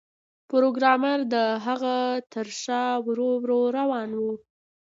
پروګرامر د هغه تر شا ورو ورو روان و